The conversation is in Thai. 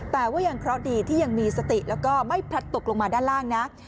แต่ว่ายังเคราะห์ดีที่ยังมีสติแล้วก็ไม่พลัดตกลงมาด้านล่างนะ